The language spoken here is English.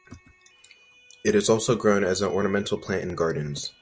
It is also grown as an ornamental plant in gardens.